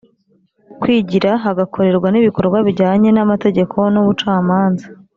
kwigira, hagakorerwa n’ibikorwa bijyanye n’amategeko n’ubucamanza,